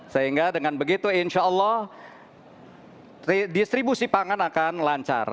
sehingga dengan begitu insya allah distribusi pangan akan lancar